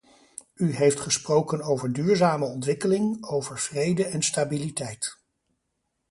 U heeft gesproken over duurzame ontwikkeling, over vrede en stabiliteit.